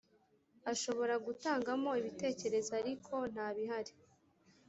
ashobora gutangamo ibitekerezo ariko nta bihari